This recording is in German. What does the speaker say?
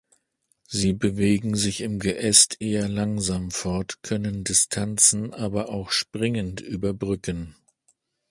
Sie bewegen sich im Geäst eher langsam fort, können Distanzen aber auch springend überbrücken.